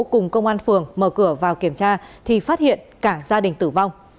cùng công an phường mở cửa vào kiểm tra thì phát hiện cả gia đình tử vong